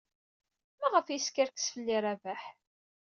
Maɣef ay yeskerkes fell-i Rabaḥ?